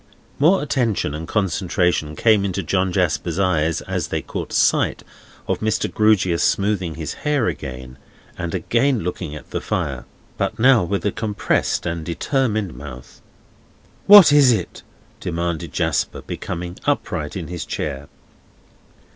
More attention and concentration came into John Jasper's eyes as they caught sight of Mr. Grewgious smoothing his head again, and again looking at the fire; but now, with a compressed and determined mouth. "What is it?" demanded Jasper, becoming upright in his chair.